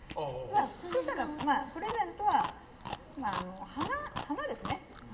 そしたら、プレゼントは花ですね。